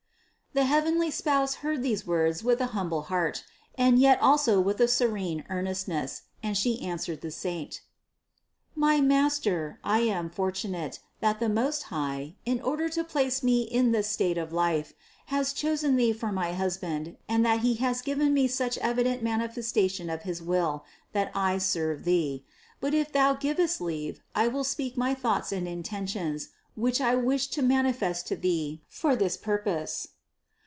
761. The heavenly Spouse heard these words with an humble heart, and yet also with a serene earnestness, and She answered the saint: "My master, I am fortu nate, that the Most High, in order to place me in this state of life, has chosen thee for my husband and that He has given me such evident manifestation of his will, that I serve thee; but if thou givest me leave I will speak of my thoughts and intentions, which I wish to manifest to thee for this purpose."